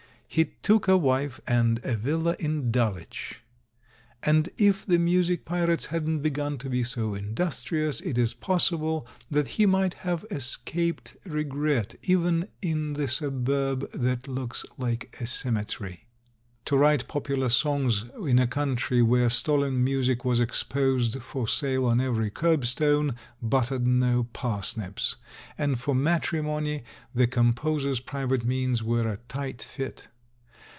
He took a wife, and a villa in Dulwich ; and if the 326 THE THIRD M 327 music pirates hadn't begun to be so industrious, it is possible that he might have escaped regret, even in the suburb that looks like a cemetery. To write popular songs in a country where stolen music was exposed for sale on every kerb stone buttered no parsnips; and for matrimony the composer's private means were a tight fit.